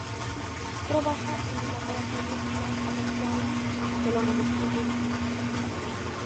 Trabaja en el Laboratorio Plant Science de la Universidad de St.